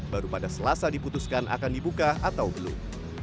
baru pada selasa diputuskan akan dibuka atau belum